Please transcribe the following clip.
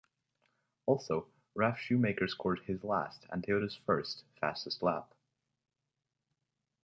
Also, Ralf Schumacher scored his last, and Toyota's first, fastest lap.